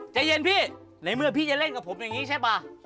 ใจเย็นพี่ในเมื่อพี่จะเล่นกับผมอย่างนี้ใช่ป่ะ